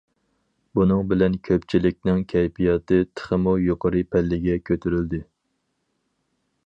بۇنىڭ بىلەن كۆپچىلىكنىڭ كەيپىياتى تېخىمۇ يۇقىرى پەللىگە كۆتۈرۈلدى.